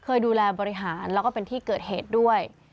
เคยดูแลบริหารแล้วก็เป็นที่เกิดเหตุด้วย